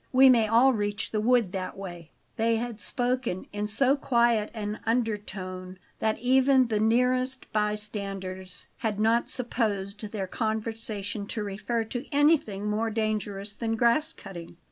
We may all reach the wood that way." They had spoken in so quiet an undertone that even the nearest bystanders had not supposed their conversation to refer to anything more dangerous than grass cutting.